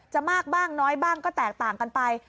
มากบ้างน้อยบ้างก็แตกต่างกันไป